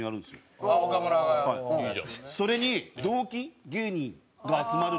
それに同期芸人が集まるって。